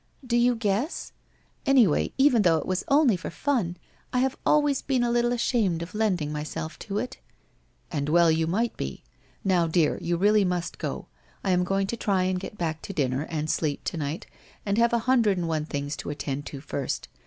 Do you guess ? Anyway, even though it was only for fun, I have always been a little ashamed of lending myself to it.' ' And well you might be. Now, dear, you really must go. I am going to try and get back to dinner and sleep to night, and I have a hundred and one things to attend to first.